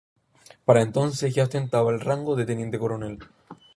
Para entonces ya ostentaba el rango de teniente coronel.